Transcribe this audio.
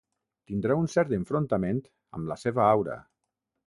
Tindrà un cert enfrontament amb la seva aura.